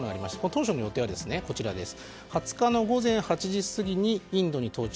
当初の予定は、２０日の午前８時過ぎにインドに到着。